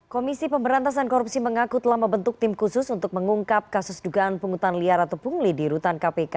komisi pemberantasan korupsi mengaku telah membentuk tim khusus untuk mengungkap kasus dugaan penghutan liar atau pungli di rutan kpk